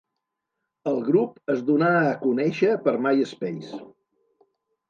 El grup es donà a conèixer per MySpace.